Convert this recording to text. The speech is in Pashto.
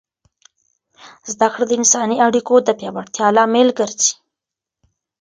زده کړه د انساني اړیکو د پیاوړتیا لامل ګرځي.